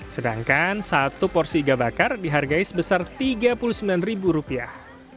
sedangkan satu porsi iga bakar dihargai sebesar tiga puluh sembilan ribu rupiah